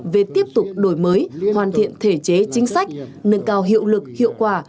về tiếp tục đổi mới hoàn thiện thể chế chính sách nâng cao hiệu lực hiệu quả